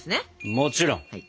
もちろん！